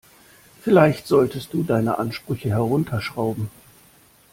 Vielleicht solltest du deine Ansprüche herunterschrauben.